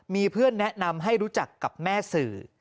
มีเพื่อนแนะนำให้รู้จักกับแม่สื่อ